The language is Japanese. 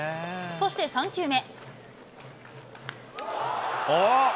そして３球目。